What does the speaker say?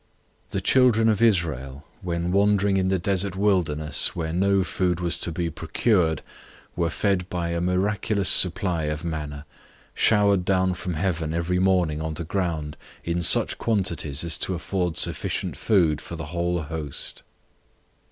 The Children of Israel, when wandering in the desert wilderness, where no food was to be procured, were fed by a miraculous supply of manna, showered down from Heaven every morning on the ground in such quantities as to afford sufficient food for the whole host.